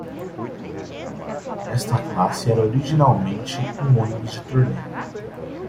Esta classe era originalmente um ônibus de turnê.